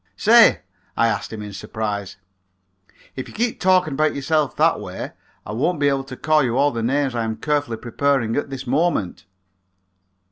"Say," I asked him in surprise, "if you keep talking about yourself that way I won't be able to call you all the names I am carefully preparing at this moment."